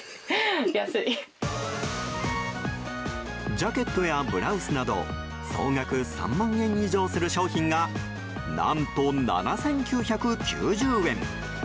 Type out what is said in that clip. ジャケットやブラウスなど総額３万円以上する商品が何と、７９９０円。